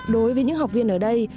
đối với những học viên ở đây